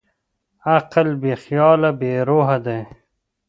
عقل بېخیاله بېروحه دی.